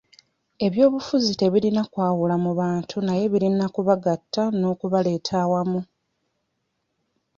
Eby'obufuzi tebirina kwawula mu bantu naye birina okubagatta n'okubaleeta awamu.